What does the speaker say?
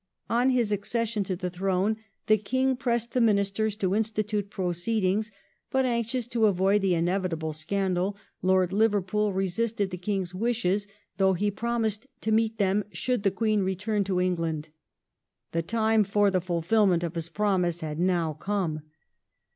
On his accession to the throne the King pressed the Ministei s to institute proceedings, but, anxious to avoid the in evitable scandal. Lord Liverpool resisted the King's wishes, though he promised to meet them should the Queen return to England. The time for the fulfilment of his promise had now come.